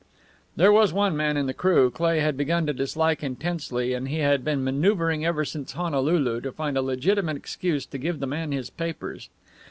There was one man in the crew Cleigh had begun to dislike intensely, and he had been manoeuvring ever since Honolulu to find a legitimate excuse to give the man his papers.